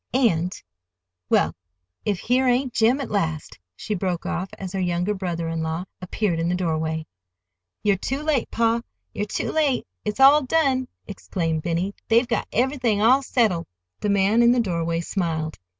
And—Well, if here ain't Jim at last," she broke off, as her younger brother in law appeared in the doorway. "You're too late, pa, you're too late! It's all done," clamored Benny. "They've got everything all settled." The man in the doorway smiled.